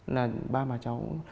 là ba bà cháu